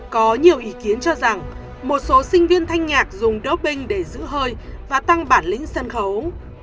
có nhiều ý kiến cho rằng một số sinh viên thanh nhạc dùng doping để giữ hơi và tăng bản lĩnh sân khấu